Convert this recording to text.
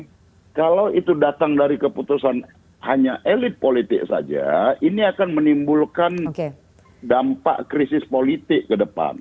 nah kalau itu datang dari keputusan hanya elit politik saja ini akan menimbulkan dampak krisis politik ke depan